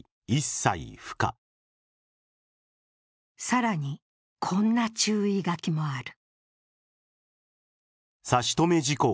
更に、こんな注意書きもある。